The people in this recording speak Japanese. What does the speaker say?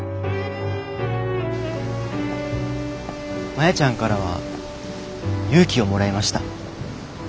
マヤちゃんからは勇気をもらいました。